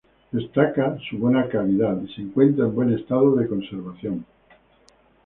Destaca su buena calidad y se encuentra en buen estado de conservación.